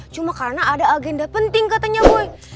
cuma karena ada agenda penting katanya boy